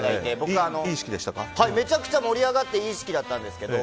めちゃくちゃ盛り上がっていい式だったんですけど。